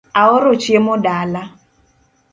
Aoro chiemo dala